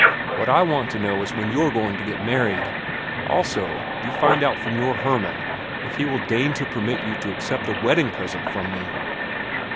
"What I want to know is when you're going to get married. Also, you find out from your Hermann if he will deign to permit you to accept a wedding present from me."